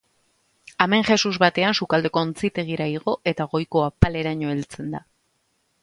Amenjesus batean sukaldeko ontzitegira igo, eta goiko apaleraino heltzen da.